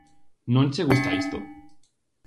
Non che gusta isto?